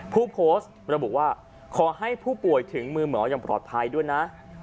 ผู้โพสต์ระบุว่าขอให้ผู้ป่วยถึงมือหมออย่างปลอดภัยด้วยนะ